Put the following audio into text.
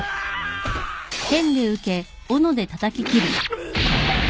うっ！